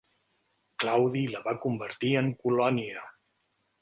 Claudi la va convertir en colònia.